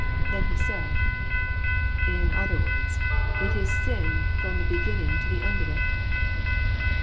Then he said " In other words, it is sin from the beginning to the end of it."